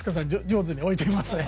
上手に置いていますね。